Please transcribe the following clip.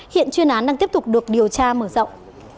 hiện chuyên án đang tiếp tục được điều tra mở rộng